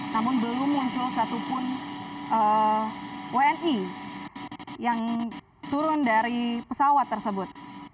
namun belum muncul satupun wni yang turun dari pesawat tersebut